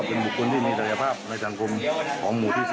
เป็นบุคคลที่มีธรรยาภาพในจังห์กรมของหมู่ที่สี่